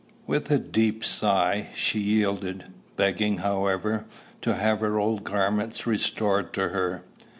With a deep sigh, she yielded; begging, however, to have her old garments restored to her.